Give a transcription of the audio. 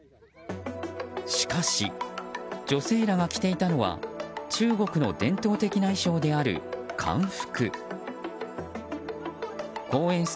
しかし、女性らが着ていたのは中国の伝統的な衣装である漢服。